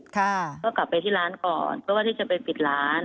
ก็กลับไปที่ร้านก่อนเพราะว่าที่จะไปปิดร้าน